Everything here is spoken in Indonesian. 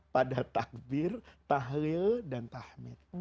pada takbir tahlil dan tahmid